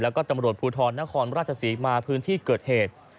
แล้วก็ตำรวจภูทรนครราชศรีมาพื้นที่เกิดเหตุ